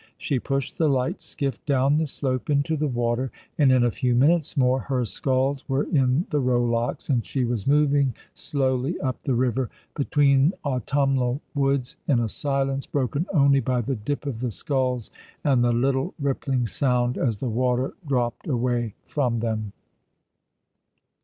She pushed the light skiff down the elope into the water, and in a few minutes more her sculls were in the rowlocks and she was moving slowly up the river, between autumnal woods, in a silence broken only by the dip of the sculls and the little rippling sound as the water dropped away from them.